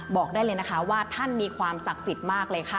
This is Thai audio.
บอกได้เลยนะคะว่าท่านมีความศักดิ์สิทธิ์มากเลยค่ะ